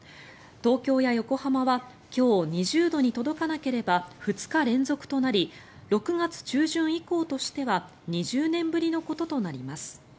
東京や横浜は今日、２０度に届かなければ２日連続となり６月中旬以降としては２０年ぶりのこととなります。